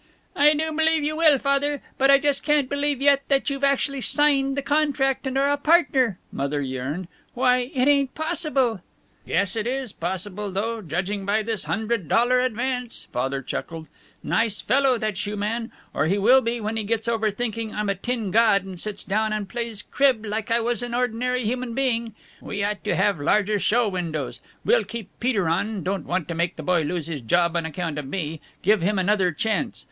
"I do believe you will, Father. But I just can't believe yet that you've actually signed the contract and are a partner," Mother yearned. "Why, it ain't possible." "Guess it is possible, though, judging by this hundred dollar advance," Father chuckled. "Nice fellow, that shoeman or he will be when he gets over thinking I'm a tin god and sits down and plays crib like I was an ordinary human being.... We ought to have larger show windows. We'll keep Peter on don't want to make the boy lose his job on account of me. Give him another chance....